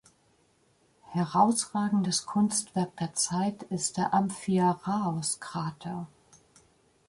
Herausragendes Kunstwerk der Zeit ist der Amphiaraos-Krater.